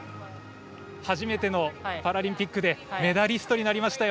初めてのパラリンピックでメダリストになりましたよ。